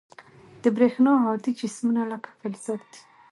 د برېښنا هادي جسمونه لکه فلزات دي.